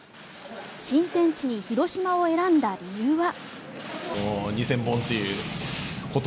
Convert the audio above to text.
新天地に広島を選んだ理由は。